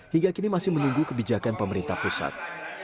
hingga kini masih menunggu kebijakan pemerintah pusat